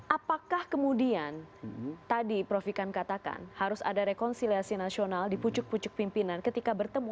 apakah kemudian tadi prof ikan katakan harus ada rekonsiliasi nasional di pucuk pucuk pimpinan ketika bertemu